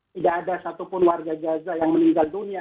tidak ada satupun warga gaza yang meninggal dunia